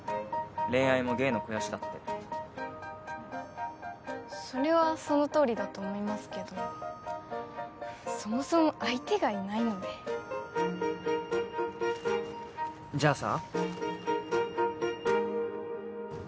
恋愛も芸の肥やしだってそれはそのとおりだと思いますけどそもそも相手がいないのでじゃあさ